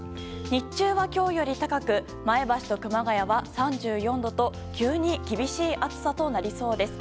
日中は今日より高く前橋と熊谷は３４度と急に厳しい暑さとなりそうです。